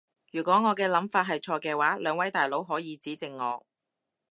如果我嘅諗法係錯嘅話，兩位大佬可以指正我